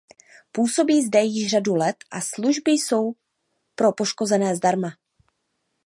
Působí zde již řadu let a služby jsou pro poškozené zdarma.